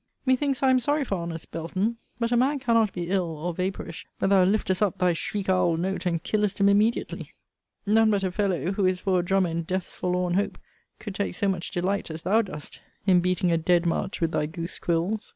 Methinks I am sorry for honest Belton. But a man cannot be ill, or vapourish, but thou liftest up thy shriek owl note, and killest him immediately. None but a fellow, who is for a drummer in death's forlorn hope, could take so much delight, as thou dost, in beating a dead march with thy goose quills.